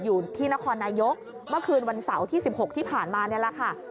อยู่ที่นครนายกเมื่อคืนวันเสาร์ที่๑๖ที่ผ่านมานี่แหละค่ะ